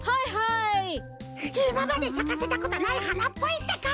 いままでさかせたことないはなっぽいってか！